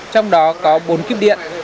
trong đó có bốn kiếp điện